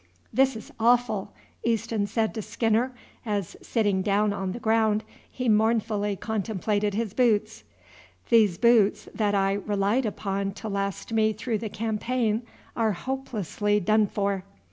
"This is awful!" Easton said to Skinner, as, sitting down on the ground, he mournfully contemplated his boots; "these boots that I relied upon to last me through the campaign are hopelessly done for."